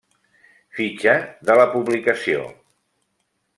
Fitxa de la Publicació.